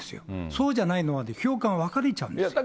そうじゃないのは評価が分かれちゃうんですよ。